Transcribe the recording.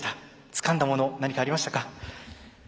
つかんだもの何かありましたか？